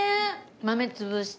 豆潰して。